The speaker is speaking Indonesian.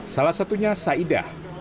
salah satunya saidah